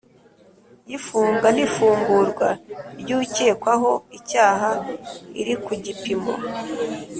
Y ifunga n ifungurwa ry ukekwaho icyaha iri ku gipimo